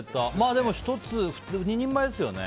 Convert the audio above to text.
でも、２人前ですよね。